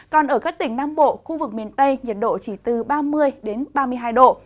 còn ở các tỉnh nam bộ khu vực miền tây nhiệt độ chỉ từ ba mươi ba mươi hai độ